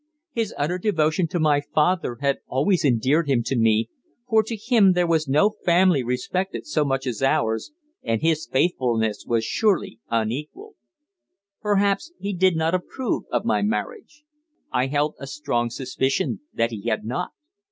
His utter devotion to my father had always endeared him to me, for to him there was no family respected so much as ours, and his faithfulness was surely unequalled. Perhaps he did not approve of my marriage. I held a strong suspicion that he had not.